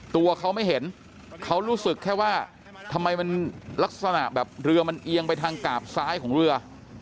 ตัวเขาไม่เห็นเขารู้สึกแค่ว่าทำไมมันลักษณะแบบเรือมันเอียงไปทางกาบซ้ายของเรือ